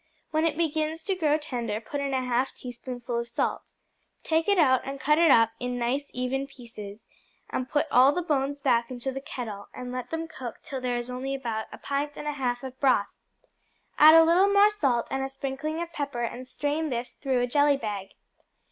When it begins to grow tender, put in a half teaspoonful of salt. Take it out, and cut it up in nice, even pieces, and put all the bones back into the kettle, and let them cook till there is only about a pint and a half of broth. Add a little more salt, and a sprinkling of pepper, and strain this through a jelly bag.